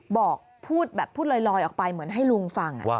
บอกพูดแบบพูดลอยออกไปเหมือนให้ลุงฟัง